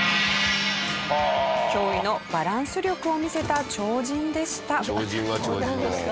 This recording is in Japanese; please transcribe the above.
驚異のバランス力を見せた超人でした。